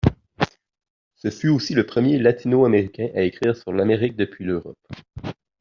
Ce fut aussi le premier latino-américain à écrire sur l'Amérique depuis l'Europe.